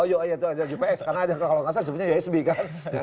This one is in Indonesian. oh iya itu aja gps karena aja kalau nggak salah sebenarnya usb kan